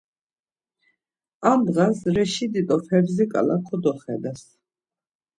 Ar ndğas Reşidi do Fevzi ǩala kodoxedes.